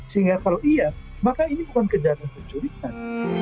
sehingga kalau iya maka ini bukan kejadian pencurikan